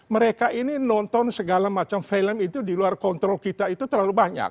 mereka ini nonton segala macam film itu di luar kontrol kita itu terlalu banyak